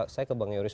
saya ke bang yoris